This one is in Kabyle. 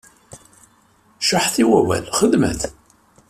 Cuḥḥet i wawal, xedmet!